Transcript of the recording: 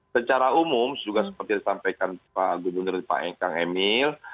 secara umum juga seperti disampaikan pak gubernur dan pak engkang emil